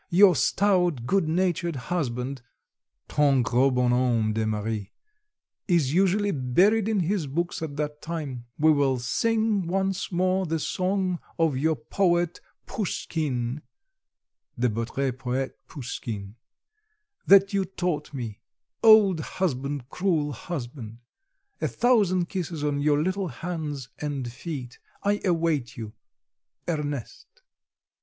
Your stout good natured husband (ton gros bonhomme de mari) is usually buried in his books at that time; we will sing once more the song of your poet Pouskine (de botre poète Pouskine) that you taught me: 'Old husband, cruel husband!' A thousand kisses on your little hands and feet. I await you. "Ernest."